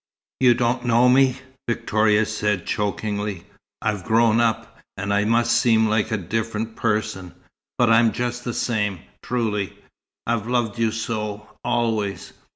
"You don't know me!" Victoria said chokingly. "I've grown up, and I must seem like a different person but I'm just the same, truly. I've loved you so, always.